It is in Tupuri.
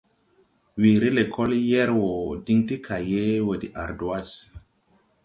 Weere lɛkɔl yɛr wɔ diŋ ti kaye wɔ de ardwas.